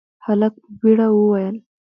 هلک په بيړه وويل: